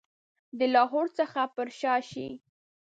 د لاهور څخه پر شا شي.